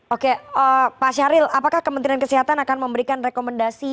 oke pak syahril apakah kementerian kesehatan akan memberikan rekomendasi